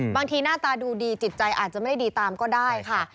หน้าตาดูดีจิตใจอาจจะไม่ได้ดีตามก็ได้ค่ะ